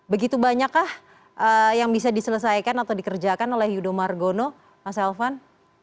begitu banyak kah yang bisa diselesaikan atau dikerjakan oleh yudho margono mas alvan